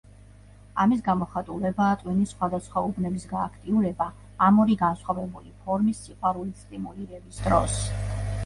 ამის გამოხატულებაა ტვინის სხვადასხვა უბნების გააქტიურება ამ ორი გასხვავებული ფორმის სიყვარულით სტიმულირების დროს.